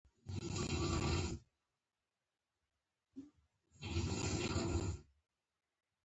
ښه بیټسمېن توپ سم ویني.